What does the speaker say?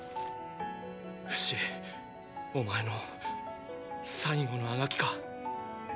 フシお前の最後の足掻きか！